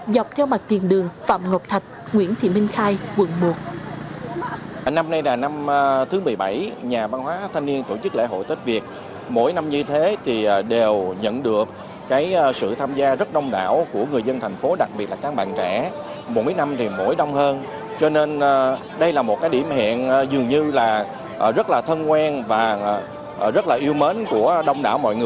dọc theo mặt tiền đường phạm ngọc thạch nguyễn thị minh khai quận một